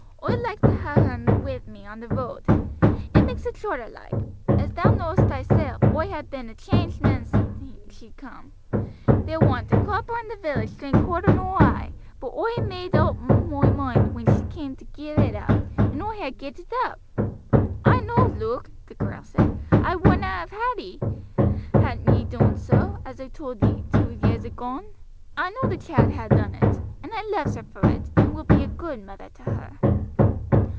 Oi likes to ha' her wi' me on the roade it makes it shorter like. As thou knowest thyself, oi ha' bin a chaanged man sin she coom. There warn't a cropper in the village drank harder nor oi, but oi maad oop moi moind when she came to gi' it up, and oi have gi'd it up." "I know, Luke," the girl said, "I wouldna have had ye, hadn't ye doon so, as I told ye two years agone. I know the child ha' done it, and I loves her for it, and will be a good mother to her."